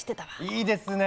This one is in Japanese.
いいですね！